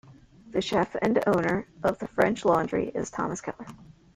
The chef and owner of the French Laundry is Thomas Keller.